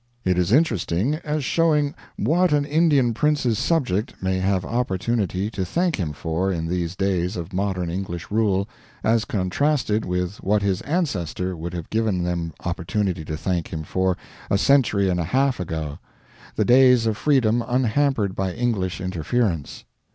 It is interesting, as showing what an Indian prince's subject may have opportunity to thank him for in these days of modern English rule, as contrasted with what his ancestor would have given them opportunity to thank him for a century and a half ago the days of freedom unhampered by English interference.